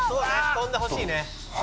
飛んでほしいね」